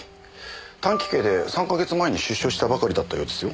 短期刑で３か月前に出所したばかりだったようですよ。